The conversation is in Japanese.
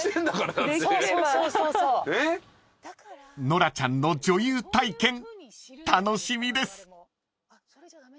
［ノラちゃんの女優体験楽しみです］